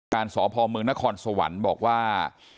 การสพเมืองนครสวรรค์บอกว่า